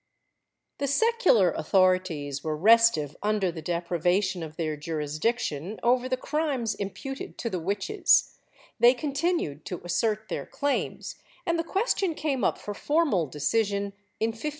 ^ The secular authorities were restive under the deprivation of their jurisdiction over the crimes imputed to the witches; they continued to assert their claims, and the question came up for formal decision in 1575.